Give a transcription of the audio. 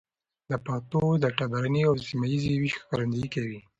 د پښتو د ټبرني او سيمه ييز ويش ښکارندويي کوي.